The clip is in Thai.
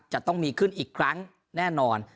จะต้องมีขึ้นอีกครั้งแน่นอน